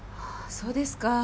そうですか。